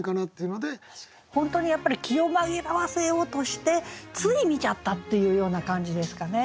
本当にやっぱり気を紛らわせようとしてつい見ちゃったっていうような感じですかね。